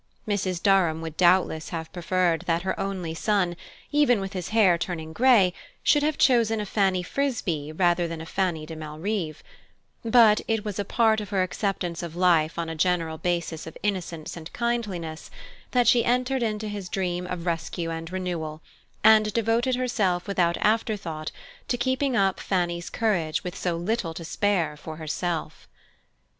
Mrs. Durham would doubtless have preferred that her only son, even with his hair turning gray, should have chosen a Fanny Frisbee rather than a Fanny de Malrive; but it was a part of her acceptance of life on a general basis of innocence and kindliness, that she entered generously into his dream of rescue and renewal, and devoted herself without after thought to keeping up Fanny's courage with so little to spare for herself.